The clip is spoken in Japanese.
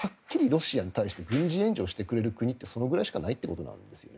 ロシアに対して軍事援助をしてくれる国ってそれくらいしかないってことなんです。